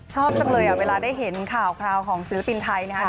ชอบจังเลยเวลาได้เห็นข่าวคราวของศิลปินไทยนะครับ